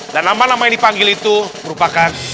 dan nama nama yang dipanggil itu merupakan